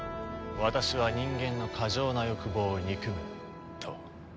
私は人間の過剰な欲望を憎むと。